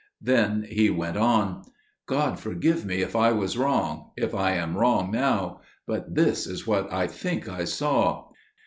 Then he went on: "God forgive me if I was wrong––if I am wrong now––but this is what I think I saw.